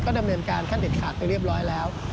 ดำเนินการขั้นเด็ดขาดไปเรียบร้อยแล้ว